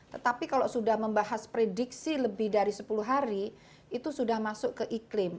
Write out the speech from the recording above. tetapi kalau sudah membahas prediksi lebih dari sepuluh hari itu sudah masuk ke iklim